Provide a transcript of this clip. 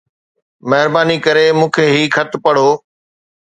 مهرباني ڪري مون کي هي خط پڙهو